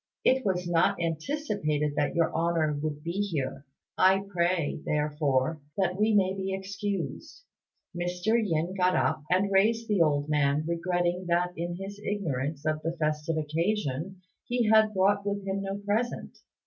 It was not anticipated that Your Honour would be here. I pray, therefore, that we may be excused." Mr. Yin got up and raised the old man, regretting that, in his ignorance of the festive occasion, he had brought with him no present.